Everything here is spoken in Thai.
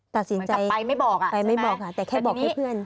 ตัดสินใจไปไม่บอกใช่ไหมคะแต่แค่บอกให้เพื่อน